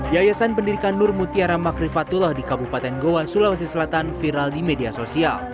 yayasan pendidikan nur mutiara makrifatullah di kabupaten goa sulawesi selatan viral di media sosial